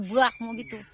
buak mau gitu